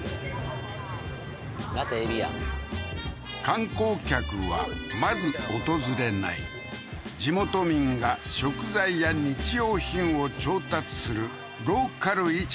また海老や観光客はまず訪れない地元民が食材や日用品を調達するローカル市場